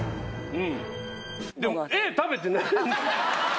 うん！